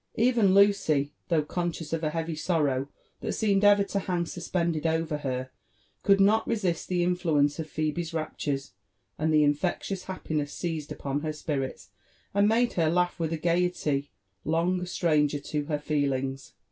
Even Lucy, though conscious of a lieavy sorrow that seemed ever to hang suspended over her, could not resist ihe influence of Phebe'i raptures, and the infeclious happiness seized upon her spirits, and made her laqgh wilh a gaiety long a stranger to her feelings.